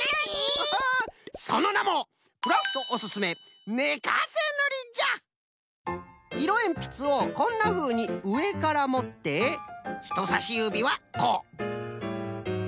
ハハそのなもいろえんぴつをこんなふうにうえからもってひとさしゆびはこう。